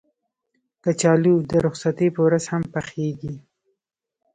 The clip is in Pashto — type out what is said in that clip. کچالو د رخصتۍ په ورځ هم پخېږي